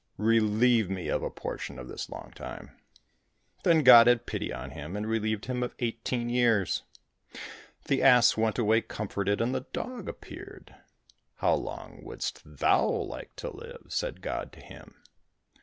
Relieve me of a portion of this long time." Then God had pity on him and relieved him of eighteen years. The ass went away comforted, and the dog appeared. "How long wouldst thou like to live?" said God to him.